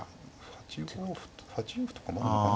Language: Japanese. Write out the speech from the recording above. ８五歩８四歩とかもあるのかな。